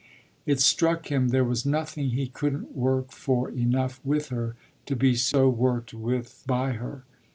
It struck him there was nothing he couldn't work for enough with her to be so worked with by her.